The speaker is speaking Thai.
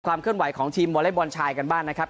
เคลื่อนไหวของทีมวอเล็กบอลชายกันบ้างนะครับ